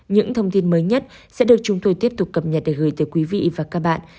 những thông tin mới nhất sẽ được chúng tôi tiếp tục cập nhật để gửi tới quý vị và các bạn